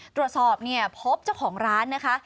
ตรวจสอบพบเจ้าของร้านนะคะ